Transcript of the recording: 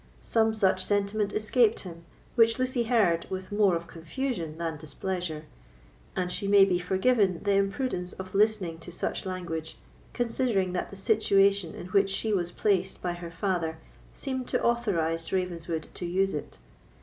Some such sentiment escaped him, which Lucy heard with more of confusion than displeasure; and she may be forgiven the imprudence of listening to such language, considering that the situation in which she was placed by her father seemed to authorise Ravenswood to use it.